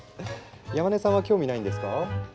山根さんは興味ないんですか？